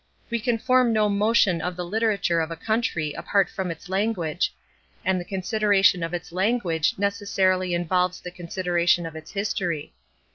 We can form no notion of the literature of a country apart from its language, and the consideration of its language necessarily involves the consideration of its history.